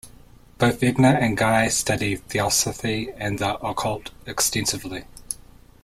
Both Edna and Guy studied Theosophy and the occult extensively.